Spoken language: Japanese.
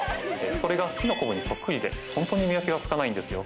それが木のこぶにそっくりで、本当に見分けがつかないんですよ。